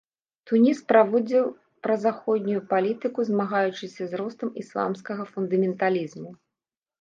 Туніс праводзіў празаходнюю палітыку, змагаючыся з ростам ісламскага фундаменталізму.